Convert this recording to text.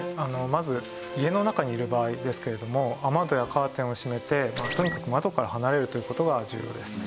まず家の中にいる場合ですけれども雨戸やカーテンを閉めてとにかく窓から離れるという事が重要です。